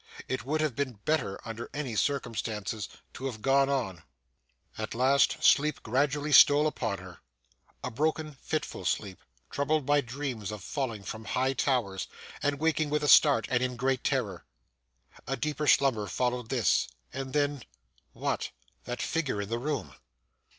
It would have been better, under any circumstances, to have gone on! At last, sleep gradually stole upon her a broken, fitful sleep, troubled by dreams of falling from high towers, and waking with a start and in great terror. A deeper slumber followed this and then What! That figure in the room.